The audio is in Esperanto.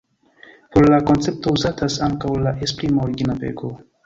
Por la koncepto uzatas ankaŭ la esprimo "origina peko".